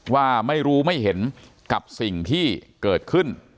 ว่าไม่รู้ไม่เห็นกับสิ่งที่เกิดขึ้น